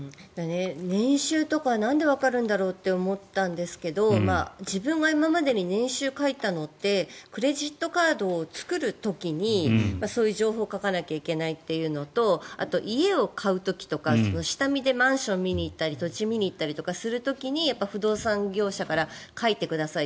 年収とかなんでわかるんだろうって思ったんですけど、自分が今までに年収を書いたのってクレジットカードを作る時にそういう情報を書かないといけないというのとあと、家を買う時とか下見でマンションを見に行ったり土地を見に行ったりする時に不動産業者から書いてくださいと。